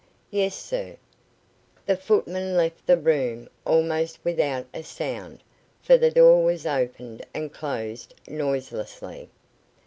"Yes sir." The footman left the room almost without a sound, for the door was opened and closed noiselessly.